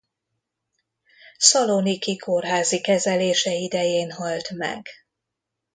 Szaloniki kórházi kezelése idején halt meg.